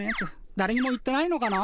だれにも言ってないのかな。